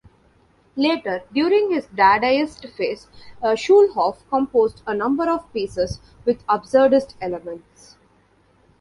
Later, during his Dadaist phase, Schulhoff composed a number of pieces with absurdist elements.